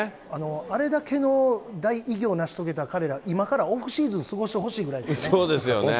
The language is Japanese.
あれだけの大偉業を成し遂げた彼ら、今からオフシーズン過ごそうですよね。